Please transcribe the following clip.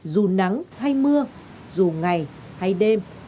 dù nắng hay mưa dù ngày hay đêm